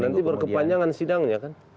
nanti berkepanjangan sidangnya kan